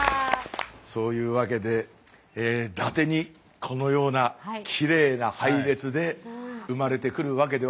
そういうわけでだてにこのようなきれいな配列で生まれてくるわけではございません。